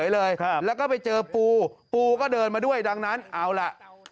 แล้วก็ไปเจอปูปูก็เดินมาด้วยดังนั้นเอาล่ะ